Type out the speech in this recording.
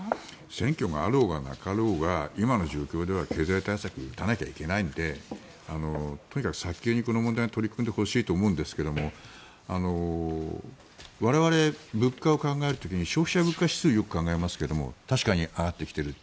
選挙があろうがなかろうが今の状況では経済対策を打たなきゃいけないんでとにかく早急にこの問題に取り組んでほしいと思うんですが我々、物価を考える時消費者物価指数をよく考えますけども確かに上がってきている。